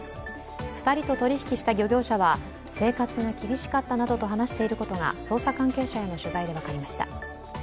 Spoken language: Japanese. ２人と取引した漁業者は生活が厳しかったなどと話していることが、捜査関係者への取材で分かりました。